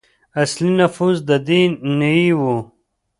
اصلي نفوس د دې نیيي وو.